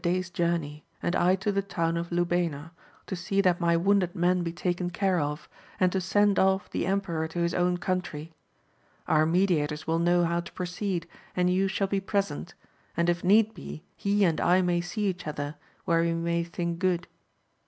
day's journey, and I to the town of Lubayna, to see that my wounded men be taken care of, and to send off the emperor to his own country. Our mediators will know how to proceed, and you shall be present ; and if need be, he and I may see each other, where we may think good.